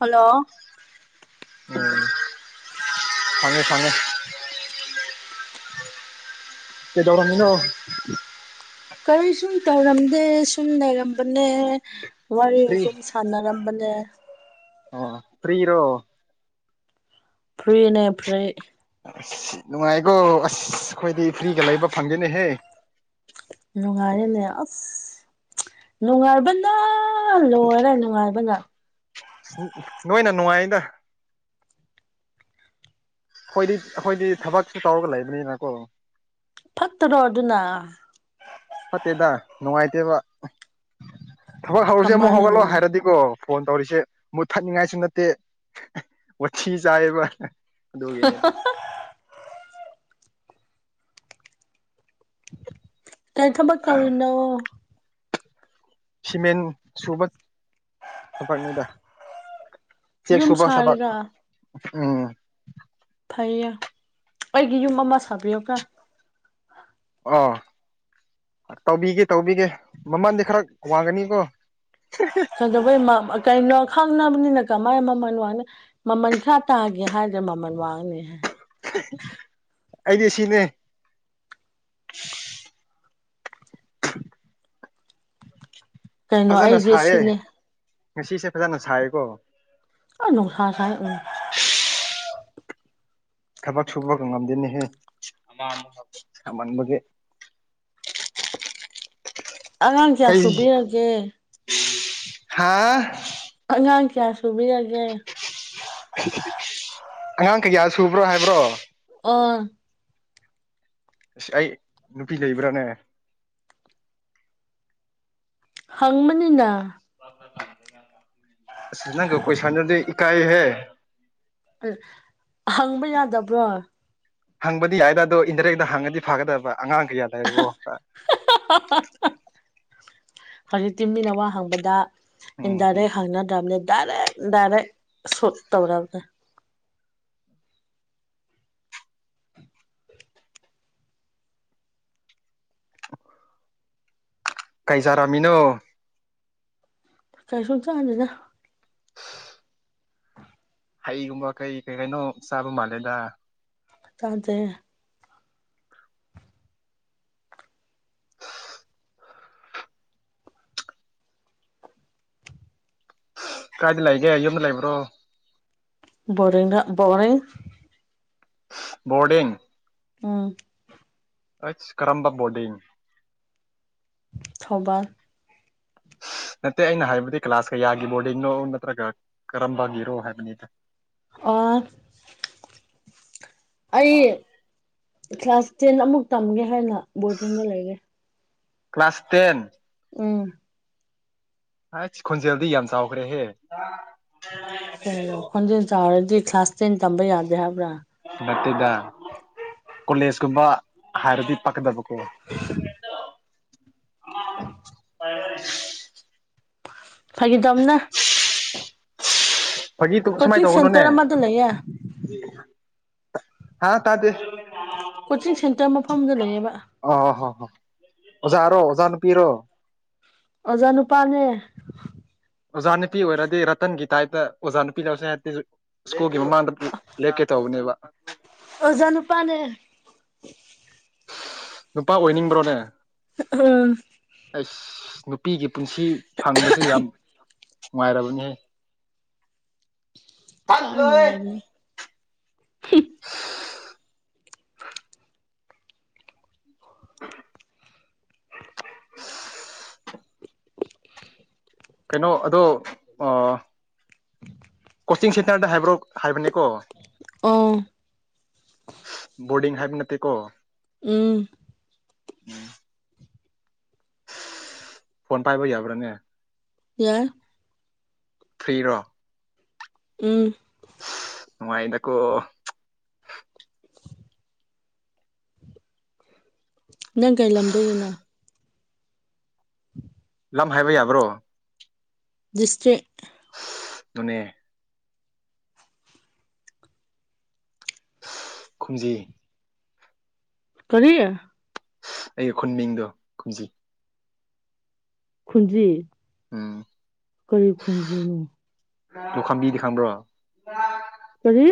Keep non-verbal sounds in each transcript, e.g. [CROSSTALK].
hello ꯎꯝ ꯐꯉꯦ ꯐꯉꯦ ꯀꯗꯧꯔꯅꯤꯅꯣ ꯀꯔꯤ ꯁꯨꯝ ꯇꯧꯔꯝꯗꯦ ꯁꯨꯝ ꯂꯩꯔꯝꯕꯅꯦ ꯋꯥꯔꯤꯨꯝ ꯐ꯭ꯔꯤ ꯁꯥꯟꯅꯔꯝꯕꯅꯦ ꯑꯣ ꯐ꯭ꯔꯤꯔꯣ ꯐ꯭ꯔꯤꯅꯦ ꯐ꯭ꯔꯤ ꯑꯁ ꯅꯨꯡꯉꯥꯏꯀꯣ ꯑꯁ ꯈꯣꯏꯗꯤ ꯐ꯭ꯔꯤꯒ ꯂꯩꯕ ꯐꯪꯗꯦꯅꯦꯍꯦ ꯅꯨꯡꯉꯥꯏꯔꯦꯅꯦ ꯑꯁ ꯅꯨꯡꯉꯥꯏꯕꯅ ꯂꯣꯏꯔꯦ ꯅꯨꯡꯉꯥꯏꯕꯅ ꯅꯣꯏꯅ ꯅꯨꯡꯉꯥꯏꯗ ꯈꯣꯏꯗꯤ ꯑꯈꯣꯏꯗꯤ ꯊꯕꯛꯁꯨ ꯇꯧꯔꯒ ꯂꯩꯕꯅꯤꯅꯀꯣ ꯐꯠꯇꯔꯣ ꯑꯗꯨꯅ ꯐꯠꯇꯦꯗ ꯅꯨꯡꯉꯥꯏꯇꯦꯕ ꯊꯕꯛ ꯍꯧꯔꯁꯦ ꯑꯃꯨꯛ ꯀꯃꯥꯏꯅ ꯍꯧꯒꯠꯂꯣ ꯅꯨꯡꯉꯥꯏ ꯍꯥꯏꯔꯗꯤꯀꯣ ꯐꯣꯟ ꯇꯧꯔꯤꯁꯦ ꯃꯨꯠ ꯊꯠꯅꯤꯡꯉꯥꯏꯁꯨ ꯅꯠꯇꯦ ꯋꯥꯊꯤ ꯆꯥꯏꯌꯦꯕ ꯑꯗꯨꯒꯦꯅꯦꯗ ꯀꯩ ꯊꯕꯛ ꯇꯧꯔꯤꯅꯣ ꯁꯤꯃꯦꯟ ꯁꯨꯕ ꯊꯕꯛꯅꯤꯗ ꯆꯦꯛ ꯌꯨꯝ ꯁꯨꯕ ꯊꯕꯛ ꯁꯥꯔꯤꯔꯥ ꯎꯝ ꯐꯩꯌꯦ ꯑꯩꯒꯤ ꯌꯨꯝ ꯑꯃ ꯁꯥꯕꯤꯌꯣꯀꯣ ꯑꯣ ꯇꯧꯕꯤꯒꯦ ꯇꯧꯕꯤꯒꯦ ꯃꯃꯜꯗꯤ ꯈꯔ ꯋꯥꯡꯒꯅꯤꯀꯣ ꯀꯩꯗꯧꯕꯩ ꯃ ꯃ ꯀꯩꯅꯣ ꯈꯪꯅꯕꯅꯤꯅ ꯀꯃꯥꯏ ꯃꯃꯜ ꯋꯥꯡꯅ ꯃꯃꯟ ꯈꯔ ꯇꯥꯒꯦ ꯍꯥꯏꯗ꯭ꯔ ꯃꯃꯜ ꯋꯥꯡꯅꯤ ꯍꯥꯏ ꯑꯩꯗꯤ ꯁꯤꯅꯦ ꯀꯩꯅꯣ ꯐꯖꯅ ꯑꯩꯗꯤ ꯁꯥꯏꯌꯦ ꯁꯤꯅꯦ ꯉꯁꯤꯁꯦ ꯐꯖꯅ ꯁꯥꯏꯌꯦꯀꯣ ꯑ ꯅꯨꯡꯁꯥꯥ ꯁꯥꯏ ꯎꯝ [INAUDIBLE] ꯊꯕꯛ ꯁꯨꯕꯒ ꯉꯝꯗꯦꯅꯦꯍꯦ ꯁꯃꯟꯕꯒꯤ ꯑꯉꯥꯡ ꯀꯌꯥ ꯁꯨꯕꯤꯔꯒꯦ ꯍꯥꯥ ꯑꯉꯥꯡ ꯀꯌꯥ ꯁꯨꯕꯤꯔꯒꯦ ꯑꯉꯥꯡ ꯀꯌꯥ ꯁꯨꯕ꯭ꯔꯣ ꯍꯥꯏꯕ꯭ꯔꯣ ꯑꯣ ꯏꯁ ꯑꯩ ꯅꯨꯄꯤ ꯂꯩꯕ꯭ꯔꯥꯅꯦ ꯍꯪꯕꯅꯤꯅ ꯑꯁ ꯅꯪꯒꯤ ꯀꯣꯏꯁꯟꯗꯨꯗꯤ ꯏꯀꯥꯏ ꯍꯦ ꯍꯪꯕ ꯌꯥꯗꯕ꯭ꯔꯣ ꯍꯪꯕꯗꯤ ꯌꯥꯏꯗ ꯑꯗꯣ ꯏꯟꯗꯥꯏꯔꯦꯛꯇ ꯍꯪꯉꯗꯤ ꯐꯒꯗꯕ ꯑꯉꯥꯡ ꯀꯌꯥ ꯂꯩꯔꯕꯣ ꯍꯧꯖꯤꯛꯇꯤ ꯃꯤꯅ ꯋꯥ ꯍꯥꯡꯕꯗ ꯎꯝ ꯎꯝ ꯏꯟꯗꯥꯏꯔꯦꯛ ꯍꯪꯅꯗꯝꯕꯅꯤ ꯗꯥꯏꯔꯦꯛꯟ ꯗꯥꯏꯔꯦꯛ ꯁꯣꯠ ꯇꯧꯔꯕꯅꯦ ꯀꯩꯖꯥꯔꯝꯃꯤꯅꯣ ꯀꯩꯁꯨꯨꯝ ꯆꯥꯟꯅꯤꯗ ꯍꯩꯒꯨꯝꯕ ꯀꯩ ꯀꯩ ꯀꯩꯅꯣ ꯆꯥꯕ ꯃꯥꯜꯂꯦꯗ ꯇꯁꯦ ꯀꯥꯏꯗ ꯂꯩꯒꯦ ꯌꯨꯝꯗ ꯂꯩꯕ꯭ꯔꯣ ꯕꯣꯔꯅ ꯕꯣꯔ ꯣꯔꯗꯤꯡ ꯑꯝ ꯏꯠꯁ ꯀꯔꯝꯕ ꯕꯣꯔꯗꯤꯡ ꯊꯧꯕꯥꯜ ꯅꯠꯇꯦ ꯑꯩꯅ ꯍꯥꯏꯕꯗꯤ ꯀ꯭ꯂꯥꯁ ꯀꯌꯥꯒꯤ ꯕꯣꯔꯗꯤꯡꯅꯣ ꯅꯠꯇ꯭ꯔꯒ ꯀꯔꯝꯕꯒꯤꯔꯣ ꯍꯥꯏꯕꯅꯤꯗ ꯑꯣ ꯑꯩ ꯀ꯭ꯂꯥꯁ ꯇꯦꯟ ꯑꯃꯨꯛ ꯇꯝꯒꯦ ꯍꯥꯏꯅ ꯕꯣꯔꯗꯤꯡꯗ ꯂꯩꯌꯦ ꯀ꯭ꯂꯥꯁ ꯇꯦꯟ ꯎꯝ ꯍꯥꯏꯁ ꯈꯣꯟꯖꯦꯜꯗꯤ ꯌꯥꯝ ꯆꯥꯎꯈ꯭ꯔꯦꯍꯦ ꯀꯩꯅꯣ ꯈꯣꯟꯖꯦꯜ ꯆꯥꯎꯔꯗꯤ ꯀ꯭ꯂꯥꯁ ꯇꯦꯟ ꯇꯝꯕ ꯌꯥꯗꯦ ꯍꯥꯏꯕ꯭ꯔꯥ ꯅꯠꯇꯦꯗ ꯀꯣꯂꯦꯖꯀꯨꯝꯕ ꯍꯥꯏꯔꯗꯤ ꯄꯛꯀꯗꯕꯀꯣ [INAUDIBLE] ꯐꯥꯒꯤꯅ ꯇꯧꯕꯥꯅꯦ ꯀꯣꯆꯤꯡ ꯁꯦꯟꯇꯔ ꯑꯃꯗ ꯂꯩꯌꯦ ꯍꯥꯥ ꯇꯥꯖ ꯀꯣꯆꯤꯡ ꯁꯦꯟꯇꯔ ꯃꯐꯝꯗꯨꯗ ꯂꯩꯅꯦꯕ ꯑꯣ ꯍ ꯑꯣꯖꯥ ꯔꯣ ꯑꯣꯖꯥ ꯅꯨꯄꯤ ꯔꯣ ꯑꯣꯖꯥ ꯅꯨꯄꯥꯅꯦ ꯑꯣꯖꯥ ꯅꯨꯄꯤ ꯑꯣꯏꯔꯗꯤ ꯔꯇꯟꯒꯤ ꯇꯥꯏꯞꯇ ꯑꯣꯖꯥ ꯅꯨꯄꯤ ꯂꯧꯁ ꯍꯥꯏ ꯁ꯭ꯀꯨꯜꯒꯤ ꯃꯃꯥꯡꯗ ꯂꯦꯦꯛꯀꯦ ꯇꯧꯕꯅꯦꯕ ꯑꯣꯖꯥꯅꯨ ꯄꯅꯦ ꯅꯨꯄꯥ ꯑꯣꯏꯅꯤꯡꯕ꯭ꯔꯣꯅꯦ ꯎꯝ ꯑꯩꯁ ꯅꯨꯄꯤꯒꯤ ꯄꯨꯟꯁꯤ ꯐꯪꯕꯁꯦ ꯌꯥꯝ ꯅꯨꯡꯉꯥꯏꯔꯕꯅꯤꯍ ꯀꯥꯏꯅꯅꯨꯡ ꯂꯒꯦ [UNINTELLIGIBLE] ꯍ ꯎ [UNINTELLIGIBLE] ꯀꯩꯅꯣ ꯑꯗꯣ ꯀꯣꯆꯤꯡ ꯁꯦꯟꯇꯔꯗ ꯍꯥꯏꯕ꯭ꯔꯣ ꯍꯥꯏꯕꯅꯦꯀꯣ ꯑ ꯕꯣꯔꯗꯤꯡ ꯍꯥꯏꯕ ꯅꯠꯇꯦꯀꯣ ꯎꯝ ꯐꯣꯟ ꯄꯥꯏꯕ ꯌꯥꯕ꯭ꯔꯥꯅꯦ ꯌꯥꯏ ꯐ꯭ꯔꯤꯔꯣ ꯎꯝ ꯎ ꯏꯗꯀꯣ [INAUDIBLE] ꯅꯪ ꯀꯩꯂꯝꯗꯒꯤꯅꯣ ꯂꯝ ꯍꯥꯏꯕ ꯌꯥꯕ꯭ꯔꯣ ꯤꯁꯇ ꯅꯅꯦ ꯀꯨꯝꯖꯤꯩ ꯀꯔꯤ ꯑꯩꯒꯤ ꯈꯨꯟ ꯃꯤꯡꯗꯣ ꯀꯨꯝꯖꯤ ꯈꯨꯟꯖꯤ ꯎꯝ ꯀꯔꯤ ꯈꯨꯟꯖꯤꯅꯣ ꯑꯣ ꯈꯝꯕꯤꯗꯤ ꯈꯪꯕ꯭ꯔꯣ ꯀꯔꯤ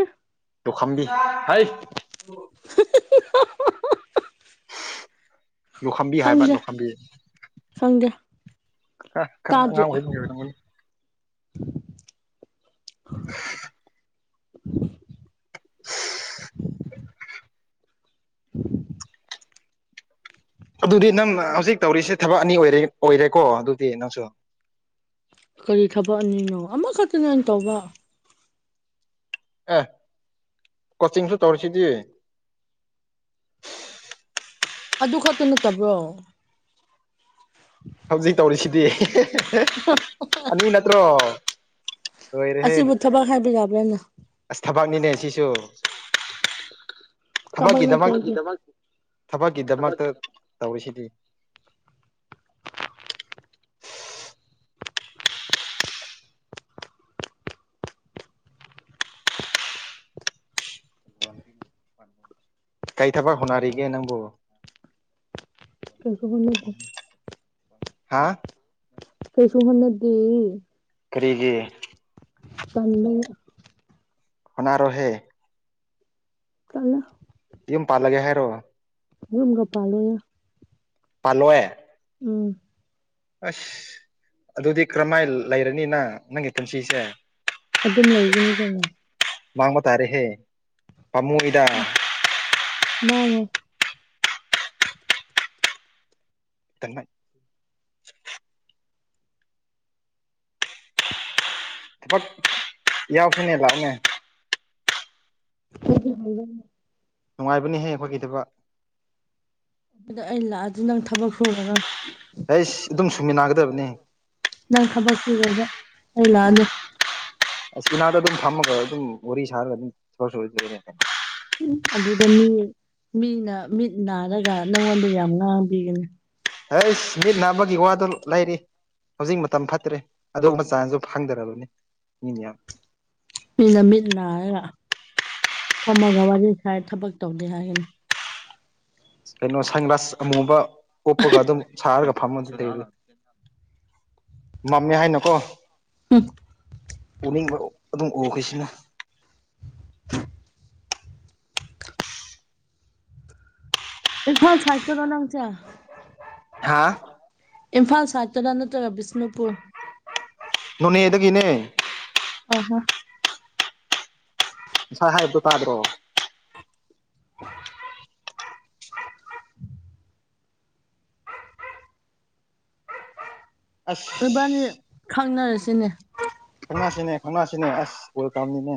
ꯇꯣ ꯈꯝꯕꯤ ꯍꯩ [UNINTELLIGIBLE] ꯂꯣꯛꯈꯝꯕꯤ ꯍꯥꯏꯕ ꯈꯪꯗꯦ ꯂꯣꯈꯥꯝꯕꯤ ꯈꯪꯗꯦ ꯈꯔ ꯑꯉꯥꯡ ꯇꯥꯗ꯭ꯔꯤ ꯑꯣꯏꯍꯍꯟꯕꯤ ꯇ [UNINTELLIGIBLE] ꯎꯝ [UNINTELLIGIBLE] [UNINTELLIGIBLE] ꯑꯗꯨꯗꯤ ꯅꯪ ꯍꯧꯖꯤꯛ ꯇꯧꯔꯤꯁꯦ ꯊꯕꯛ ꯑꯅꯤ ꯑꯣꯏꯔꯦꯀꯣ ꯑꯗꯨꯗꯤ ꯅꯪꯁꯨ ꯀꯔꯤ ꯊꯕꯛ ꯑꯅꯤꯅꯣ ꯑꯃꯈꯛꯇꯅꯦꯩꯅ ꯇꯧꯕ ꯑꯦ ꯀꯣꯆꯤꯡꯁꯨ ꯇꯧꯔꯤꯁꯤꯗꯤ ꯑꯗꯨ ꯈꯛꯇ ꯅꯠꯇꯕ꯭ꯔꯣ [UNINTELLIGIBLE] ꯍꯧꯖꯤꯛ ꯇꯧꯔꯤꯁꯤꯗꯤ ꯑꯅꯤ ꯅꯠꯇ꯭ꯔꯣ ꯂꯣꯏꯔꯦꯍꯦ ꯑꯁꯤꯕꯨ ꯊꯕꯛ ꯍꯥꯏꯕ ꯌꯥꯕ꯭ꯔꯥꯅ ꯑꯁ ꯊꯕꯛꯅꯤꯅꯦ ꯁꯤꯁꯨ ꯊꯕꯛ ꯅꯠꯇꯦ ꯊꯕꯛꯀꯤꯗꯃꯛ ꯑꯩꯒꯤ ꯊꯕꯛꯀꯤꯗꯃꯛꯇ ꯇꯧꯔꯤꯁꯤꯗꯤ [UNINTELLIGIBLE] ꯀꯩ ꯊꯕꯛ ꯍꯣꯠꯅꯔꯤꯒꯦ ꯅꯪꯕꯨ [UNINTELLIGIBLE] ꯍꯥꯥ ꯀꯩꯁꯨ ꯍꯣꯠꯅꯗꯤꯌꯦ ꯀꯔꯤꯒꯤ ꯇꯟꯕꯒꯤ ꯍꯣꯠꯅꯥꯔꯣꯍꯦ ꯇꯜꯂꯦ ꯌꯨꯝ ꯄꯥꯜꯂꯒꯦ ꯍꯥꯏꯔꯣ ꯌꯨꯨꯝꯒ ꯄꯥꯂꯣꯏꯗꯥ ꯄꯥꯜꯂꯣꯏ ꯎꯝ ꯑꯁ ꯑꯗꯨꯗꯤ ꯀꯔꯝꯃꯥꯏ ꯂꯩꯔꯅꯤꯅ ꯅꯪꯒꯤ ꯄꯨꯟꯁꯤꯁꯦ ꯑꯗꯨꯝ ꯂꯩꯒꯅꯤ ꯀꯩꯅꯣ ꯃꯥꯡꯕ ꯇꯥꯔꯦꯍꯦ ꯄꯃꯨꯏꯗ ꯃꯥꯡꯉꯣꯏ [UNINTELLIGIBLE] [UNINTELLIGIBLE] [UNINTELLIGIBLE] ꯅꯨꯡꯉꯥꯏꯕꯅꯤꯍꯦ ꯑꯩꯈꯣꯏꯒꯤꯗꯕ ꯑꯗꯣ ꯑꯩ ꯂꯥꯛꯑꯗꯤ ꯅꯪ ꯊꯕꯛ ꯁꯨꯔꯒ ꯍꯩꯁ ꯑꯗꯨꯝ ꯁꯨꯡꯃꯤꯟꯅꯒꯗꯕꯅꯤ ꯅꯪ ꯊꯕꯛ [UNINTELLIGIBLE] ꯑꯁ ꯎꯅꯥꯗ ꯑꯗꯨꯝ ꯐꯝꯃꯒ ꯑꯗꯨꯝ ꯋꯥꯔꯤ ꯁꯥꯔꯒ ꯑꯗꯨꯝ ꯎ ꯑꯗꯨꯗ ꯃꯤ ꯃꯤꯅ ꯃꯤꯠ ꯅꯥꯔꯒ ꯅꯪꯉꯣꯟꯗ ꯌꯥꯝ ꯉꯥꯡꯕꯤꯒꯅꯤ ꯍꯩꯁ ꯃꯤꯠ ꯅꯥꯕꯒꯤ ꯋꯥꯗ ꯂꯩꯔꯤ ꯍꯧꯖꯤꯛ ꯃꯇꯝ ꯐꯠꯇ꯭ꯔꯦ ꯑꯗꯨꯒꯨꯝꯕ ꯆꯥꯟꯁꯨ ꯐꯪꯗꯔꯕꯅꯤ ꯃꯤꯅ ꯌꯥꯝ ꯃꯤꯅ ꯃꯤꯠ ꯅꯥꯔꯒ ꯐꯝꯃꯒ ꯋꯥꯔꯤ ꯁꯥꯏ ꯊꯕꯛ ꯇꯧꯗꯦ ꯍꯥꯏꯒꯅꯤ ꯀꯩꯅꯣ ꯁꯟ ꯒ꯭ꯂꯥꯁ ꯑꯃꯨꯕ ꯎꯞꯄꯒ ꯑꯗꯨꯝ ꯁꯥꯔꯒ ꯐꯝ [UNINTELLIGIBLE] ꯃꯝꯃꯦ ꯍꯥꯏꯅꯀꯣ ꯎꯝ ꯎꯅꯤꯡꯕ ꯑꯗꯨꯝ ꯎꯈꯁꯤꯅ ꯏꯐꯜ ꯁꯥꯏꯇꯗꯅꯪꯆꯥ ꯍꯥꯥ ꯏꯝꯐꯥꯜ ꯁꯥꯏꯠꯇꯅ ꯅꯠꯇ꯭ꯔꯒ ꯕꯤꯁꯅꯨꯄꯨꯔ ꯅꯣꯅꯦꯗꯒꯤꯅꯦ ꯑꯣ ꯍꯣ ꯉꯁꯥꯏ ꯍꯥꯏꯕꯗꯣ ꯇꯥꯗ꯭ꯔꯣ [UNINTELLIGIBLE] ꯑꯁ ꯏꯣꯏꯕꯥꯅꯤ ꯈꯪꯅꯔꯁꯤꯅꯦ ꯈꯪꯅꯥꯁꯤꯅꯦ ꯑꯁ ꯀꯣꯜ ꯇꯥꯝꯅꯤꯅꯦ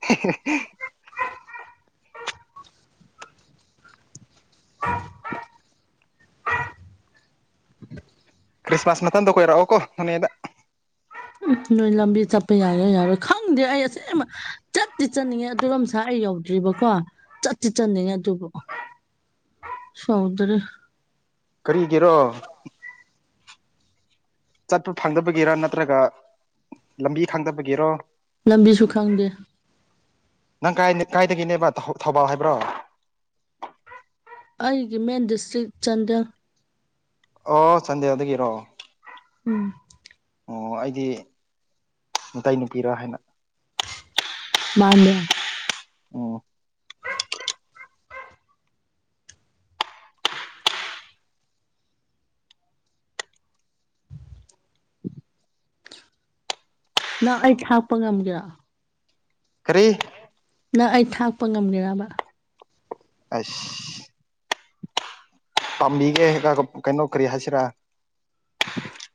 [UNINTELLIGIBLE] [UNINTELLIGIBLE] ꯈ꯭ꯔꯤꯁꯃꯥꯁ ꯃꯊꯟꯗ ꯀꯣꯏꯔꯛꯑꯣ ꯀꯣ ꯅꯣꯅꯦꯗ ꯎ ꯅꯣꯏ ꯂꯝꯕꯤ ꯆꯠꯄ ꯌꯥꯔꯣꯏ ꯌꯥꯔꯣꯏ ꯈꯪꯗꯦ ꯑꯩ ꯑꯁ ꯆꯠꯇꯤ ꯆꯠꯅꯤꯡꯉꯦ ꯑꯗꯨꯔꯣꯝꯁꯥ ꯑꯩ ꯌꯧꯗ꯭ꯔꯤꯕꯀꯣ ꯆꯠꯇꯤ ꯆꯠꯅꯤꯡꯉꯦ ꯑꯗꯨꯕꯨ ꯁꯧꯗ꯭ꯔꯦ ꯀꯔꯤꯒꯤꯔꯣ ꯆꯠꯄ ꯐꯪꯗꯕꯒꯤꯔ ꯅꯠꯇ꯭ꯔꯒ ꯂꯝꯕꯤ ꯈꯥꯡꯗꯕꯒꯤꯔꯣ ꯂꯝꯕꯤꯁꯨ ꯈꯪꯗꯦ ꯅꯪ ꯀꯥꯏ ꯀꯥꯏꯗꯒꯤꯅꯦꯕ ꯊꯧꯕꯥꯜ ꯍꯥꯏꯕ꯭ꯔꯣ ꯑꯩꯒꯤ ꯃꯦꯟ ꯗꯤꯁꯇ꯭ꯔꯤꯛ ꯆꯥꯟꯗꯦꯜ ꯑꯣ ꯁꯟꯗꯦꯗꯒꯤꯔꯣꯑꯣ ꯎꯝ ꯑꯣ ꯑꯩꯗꯤ ꯅꯨꯇꯩ ꯅꯨꯄꯤꯔꯥ ꯍꯥꯏꯅ ꯃꯥꯟꯗ ꯑꯣ ꯅꯪ ꯑꯩ ꯊꯥꯛꯄ ꯉꯝꯒꯦꯔ ꯀꯔꯤ ꯅꯪ ꯑꯩ ꯊꯥꯛꯄ ꯉꯝꯒꯔꯕ ꯑꯁ ꯄꯥꯝꯕꯤꯒꯦ ꯀꯩꯅꯣ ꯀꯔꯤ ꯍꯥꯏꯁꯤꯔꯥ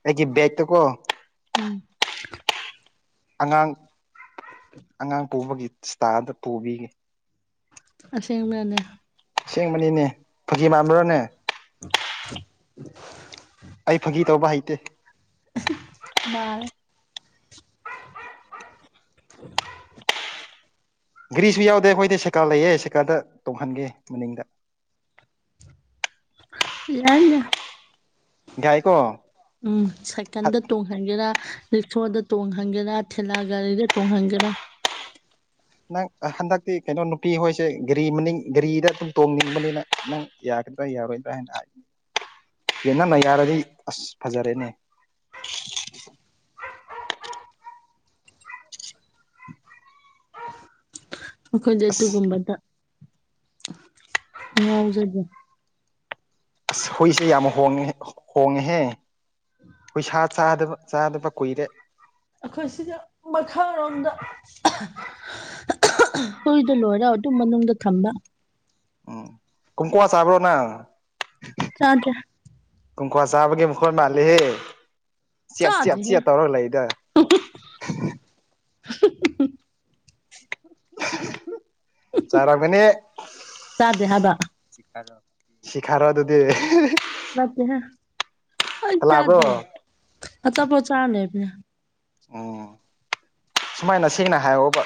ꯑꯩꯒꯤ ꯕꯦꯛꯇꯀꯣ ꯎꯝ ꯑꯉꯥꯡ ꯑꯉꯥꯡ ꯄꯨꯕꯒꯤ ꯏꯁꯇꯥꯗ ꯄꯨꯕꯤꯒꯦ ꯑꯁꯦꯡꯕꯅꯦ ꯁꯦꯡꯕꯅꯤꯅꯦ ꯐꯖꯤ ꯃꯥꯟꯕ꯭ꯔꯣꯅꯦ [UNINTELLIGIBLE] ꯑꯩ ꯐꯥꯒꯤ ꯇꯧꯕ ꯍꯩꯇꯦ ꯃꯥ ꯘꯔꯤꯁꯨ ꯌꯥꯎꯗꯦ ꯑꯩꯈꯣꯏꯗꯤ ꯁꯦꯀꯥ ꯂꯩꯌꯦ ꯁꯦꯀꯥꯗ ꯇꯣꯡꯍꯟꯒꯦ ꯃꯅꯤꯡꯗ ꯂ ꯌꯥꯏꯀꯣ ꯎꯝ ꯁꯥꯏꯀꯗ ꯇꯣꯡ ꯣꯡꯍꯟꯒꯦꯔꯥ ꯔꯤꯛꯁꯣꯗ ꯇꯣꯡꯍꯟꯒꯦꯔꯥ ꯊꯦꯂ ꯒꯥꯔꯤꯗ ꯇꯣꯡꯍꯟꯒꯦꯔꯥ ꯅꯪ ꯍꯟꯗꯛꯇꯤ ꯀꯩꯅꯣ ꯅꯨꯄꯤ ꯍꯣꯏꯁꯦ ꯒꯥꯔꯤ ꯃꯅꯤꯡ ꯒꯥꯔꯤꯗ ꯑꯗꯨꯝ ꯇꯣꯡꯅꯤꯡꯕꯅꯤꯅ ꯅꯪ ꯌꯥꯀꯗ ꯌꯥꯔꯣꯏꯗ ꯍ ꯍꯥꯏ ꯌꯦ ꯅꯃ ꯌꯥꯔꯗꯤ ꯑꯁ ꯐꯖꯔꯦꯅꯦ ꯑꯩꯈꯣꯏꯗ ꯑꯁ ꯑꯗꯨꯒꯨꯝꯕꯗ ꯉ ꯉꯥꯎꯖꯒꯦ ꯑꯁ ꯍꯨꯏꯁꯦ ꯌꯥꯝ ꯍꯣꯡꯉꯦ ꯍꯣꯡꯉꯦꯍꯦ ꯍꯨꯣꯏ ꯁꯥ ꯆꯥꯗꯕ ꯆꯥꯗꯕ ꯀꯨꯏꯔꯦ ꯑꯩꯈꯣꯏ ꯁꯤꯗ ꯃꯈꯥꯔꯣꯝꯗ ꯍꯨꯏꯗꯣ ꯂꯣꯏꯔ ꯑꯗꯨꯝ ꯃꯅꯨꯡꯗ ꯊꯝꯕ ꯃꯥꯣ ꯎꯝ ꯀꯨꯨꯝ ꯀꯨꯃ ꯆꯕ꯭ꯔꯣꯅ ꯆꯗ꯭ꯔ ꯀꯣꯡꯀ꯭ꯋꯥ ꯆꯥꯕꯒꯤ ꯃꯈꯣꯟꯜ ꯃꯥꯜꯂꯤꯍꯦ ꯆꯞ ꯆꯦꯞ ꯆꯦꯞ ꯇꯧꯔꯒ ꯂꯩꯗ ꯍ ꯆꯥꯏꯔꯥꯛꯥꯛ ꯃꯅꯤꯅꯦ ꯆꯥꯗꯦ ꯍꯥꯏꯕ ꯁꯤ ꯈꯥꯔꯣ ꯑꯗꯨꯗꯤ ꯦ ꯑꯩ ꯍꯜꯂꯛꯑꯕ꯭ꯔꯣ ꯆꯗ ꯑ ꯆꯄ ꯆꯥꯃꯦꯕꯅ ꯎꯝ ꯁꯨꯃꯥꯏꯅ ꯁꯦꯡꯅ ꯍꯥꯏꯌꯣꯕ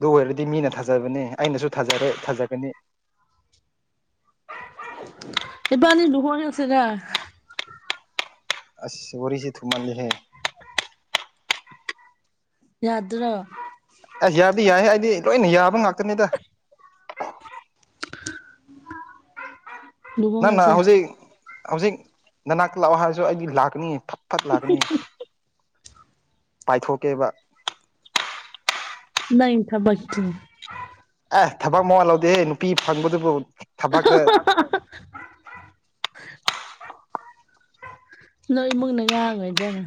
ꯑꯗꯨ ꯑꯣꯏꯔꯗꯤ ꯃꯤꯅ ꯊꯥꯖꯕꯅꯤ ꯑꯩꯅꯁꯨ ꯊꯥꯖꯔꯦ ꯊꯥꯖꯒꯅꯤ ꯏ ꯄ ꯑꯅꯤ ꯗꯨꯍꯣꯏꯁꯦꯗ ꯑꯁ ꯋꯥꯔꯤꯁꯦ ꯊꯨꯝꯃꯜꯜꯂꯤꯍꯦ ꯌꯥꯗ꯭ꯔ ꯑꯁ ꯌꯥꯗꯤ ꯌꯥꯏ ꯍꯥꯏꯗꯤ ꯂꯣꯏꯅ ꯌꯥꯕ ꯉꯥꯛꯇꯅꯤꯗ ꯅ ꯅ ꯂꯨꯍꯣꯡꯉꯁꯦ ꯍꯧꯖꯤꯛ ꯍꯧꯖꯤꯛ ꯅꯅꯥ ꯂꯥꯛꯑꯣ ꯍꯥꯏꯔꯁꯨ ꯑꯩꯗꯤ ꯂꯥꯛꯀꯅꯤ ꯐꯠ ꯐꯠ ꯂꯥꯛꯀꯅꯤ ꯄꯥꯏꯊꯣꯛꯀꯦꯕ ꯅ ꯊꯥ ꯆꯦ ꯑꯦ ꯊꯕꯛ ꯃꯋꯥ ꯂꯧꯗꯦꯍꯦ ꯅꯨꯄꯤ ꯐꯪꯕꯗꯨꯕꯨ ꯊꯕꯥꯛꯇ [UNINTELLIGIBLE] ꯅꯣꯏ ꯏꯃꯨꯡꯅ ꯉꯥꯡꯉꯩꯗꯅ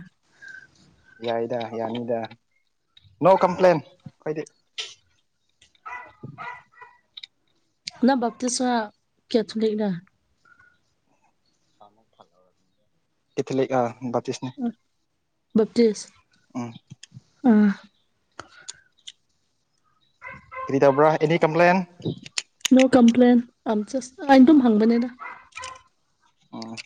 ꯌꯥꯏꯗ ꯌꯥꯅꯤꯗ ꯅꯣ ꯀꯝꯄ꯭ꯂꯦꯟ ꯑꯩꯣꯏꯗꯤ ꯅ ꯞꯇꯤꯁ ꯀꯦꯊꯟ ꯂꯩꯅ ꯀ ꯂꯩ ꯆꯁꯅꯦ ꯞꯇꯁ ꯑꯥ ꯀꯔꯤ ꯇꯧꯕ꯭ꯔꯥ ꯑꯦꯅꯤ ꯀꯝꯄ꯭ꯂꯦꯟ ꯅꯣ ꯀꯝꯄ꯭ꯂꯦꯟ ꯑ ꯆ ꯑꯩꯅ ꯑꯗꯨꯝ ꯍꯪꯕꯅꯦꯗ ꯑꯣꯝ